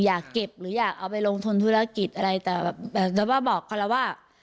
อยากเก็บหรืออยากเอาไปลงทุนธุรกิจอะไรแต่แบบจะว่าบอกเขาแล้วว่า